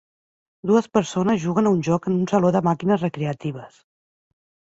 Dues persones juguen a un joc en un saló de màquines recreatives.